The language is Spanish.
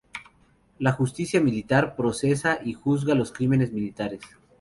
La "Justicia Militar" procesa y juzga los crímenes militares.